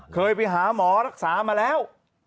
เคยไปหาหมอรักษามาแล้ว